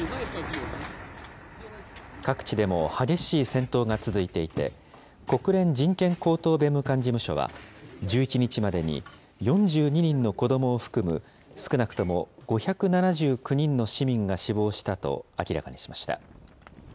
各地でも激しい戦闘が続いていて、国連人権高等弁務官事務所は、１１日までに４２人の子どもを含む、少なくとも５７９人の市民が死亡したと明らかにしました。